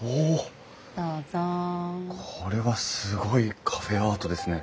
これはすごいカフェアートですね。